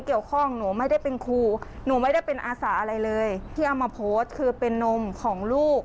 ที่เอามาโพสต์คือเป็นนมของลูก